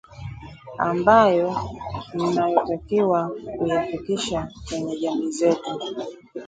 ambayo mnayotakiwa kuyafikisha kwenye jamii zetu